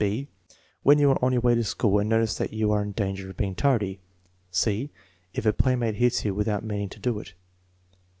" (b) "When you arc on your way to school and notice that you are in danger of being tardy?" (c) "If a playmate hits you without meaning lo do it?'